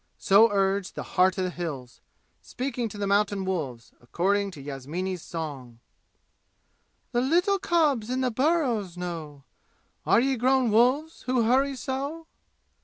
So urged the "Heart of the Hills," speaking to the mountain wolves, according to Yasmini's song. "The little cubs in the burrows know. Are ye grown wolves, who hurry so?"